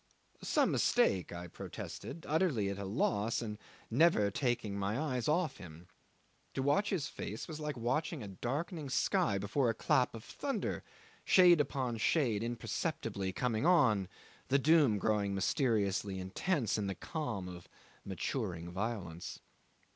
"Some mistake," I protested, utterly at a loss, and never taking my eyes off him. To watch his face was like watching a darkening sky before a clap of thunder, shade upon shade imperceptibly coming on, the doom growing mysteriously intense in the calm of maturing violence.